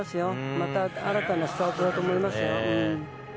また新たなスタートだと思いますよ。